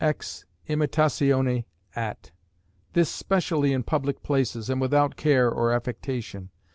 Ex imitatione Att. This specially in public places, and without care or affectation.